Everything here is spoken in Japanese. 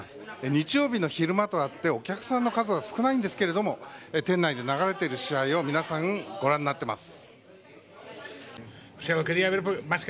日曜日の昼間とあってお客さんの数は少ないんですけれども店内で流れている試合を皆さん、ご覧になっています。